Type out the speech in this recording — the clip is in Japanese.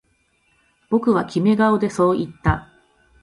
僕はキメ顔でそう言った